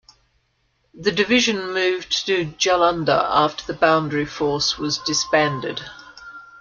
The Division moved to Jullunder after the Boundary Force was disbanded.